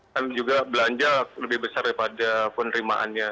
dan juga belanja lebih besar daripada penerimaannya